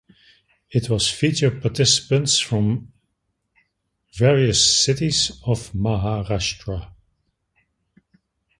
It was feature participants from various cities of Maharashtra.